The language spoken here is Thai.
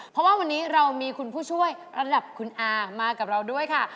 เพราะว่าวันนี้เรามีคุณผู้ช่วยระดับคุณอามากับเราด้วยค่ะ